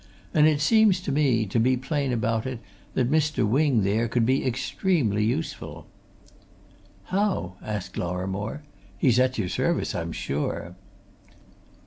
And it seems to me, to be plain about it, that Mr. Wing there could be extremely useful." "How?" asked Lorrimore. "He's at your service, I'm sure."